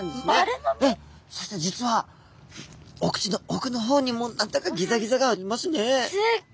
そして実はお口の奥の方にも何だかギザギザがありますね。